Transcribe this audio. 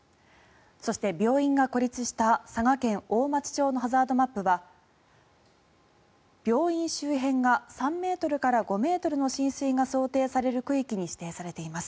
そして、病院が孤立した佐賀県大町町のハザードマップは病院周辺が３ｍから５ｍの浸水が想定される区域に指定されています。